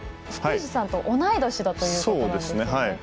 福藤さんと同い年だということなんですね。